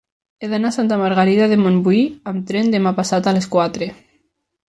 He d'anar a Santa Margarida de Montbui amb tren demà passat a les quatre.